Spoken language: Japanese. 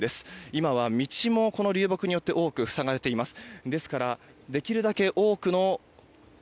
今は道も、この流木によって多く塞がれています。